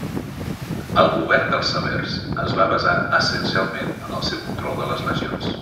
El govern dels Severs es va basar essencialment en el seu control de les legions.